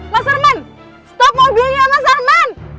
mas arman stop mobilnya mas herman